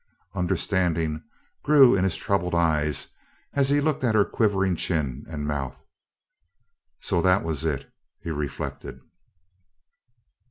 Understanding grew in his troubled eyes as he looked at her quivering chin and mouth. "So that was it!" he reflected.